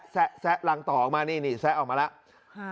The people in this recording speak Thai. แซะรังต่อออกมานี่นี่แซะออกมาแล้ว